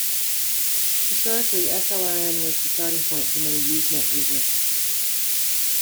Historically slrn was the starting point for many Usenet users.